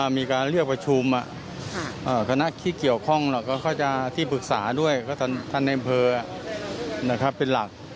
มีการเรียกประชุมคณะที่เกี่ยวข้องก็จะที่ปรึกษาด้วยก็ท่านในอำเภอเป็นหลัก